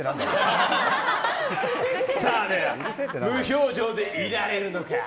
さあ、無表情でいられるのか。